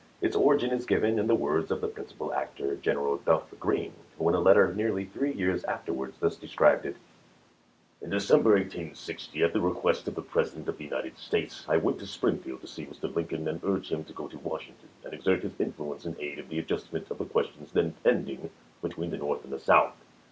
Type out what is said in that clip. Its origin is given in the words of the principal actor, General Duff Green, who, in a letter nearly three years after wards, thus described it: "In December, 1860, at the request of the President of the United States, I went to Springfield to see Mr. Lincoln and urge him to go to Washington and exert his influence in aid of the adjustment of the questions then pending between the North and the South.